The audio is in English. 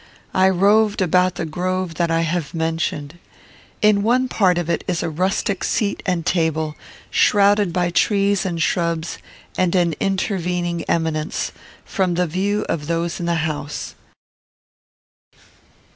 I roved about the grove that I have mentioned. In one part of it is a rustic seat and table, shrouded by trees and shrubs, and an intervening eminence, from the view of those in the house.